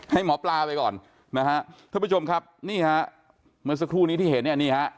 ให้หมอปลาไปก่อนนะฮะท่านผู้ชมครับนี่ฮะเมื่อสักครู่นี้ที่เห็นเนี่ยนี่ฮะ